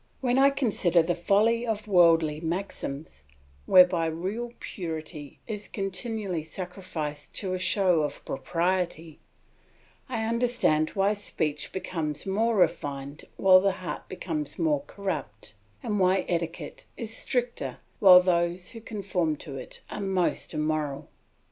When I consider the folly of worldly maxims, whereby real purity is continually sacrificed to a show of propriety, I understand why speech becomes more refined while the heart becomes more corrupt, and why etiquette is stricter while those who conform to it are most immoral.